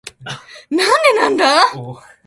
なんでなんだ？